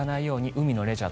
海のレジャー